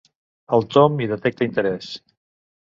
El Tom hi detecta interès.